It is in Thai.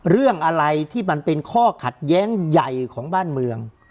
เรื่องอะไรที่มันเป็นข้อขัดแย้งใหญ่ของบ้านเมือง